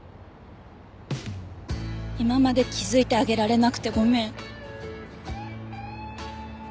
今まで気づいてあげられなくてごめん。